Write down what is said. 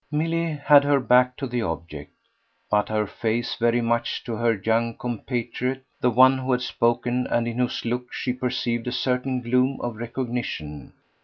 Milly had her back to the object, but her face very much to her young compatriot, the one who had spoken and in whose look she perceived a certain gloom of recognition.